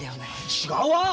違うわ！